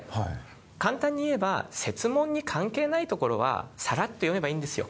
簡単に言えば設問に関係ないところはさらっと読めばいいんですよ。